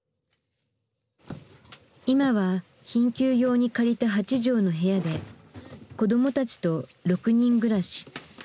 今は緊急用に借りた８畳の部屋で子どもたちと６人暮らし。